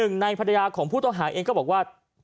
๑ในภัยระของผู้ต่อหาเองบอกว่า